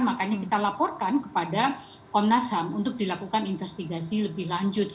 makanya kita laporkan kepada komnas ham untuk dilakukan investigasi lebih lanjut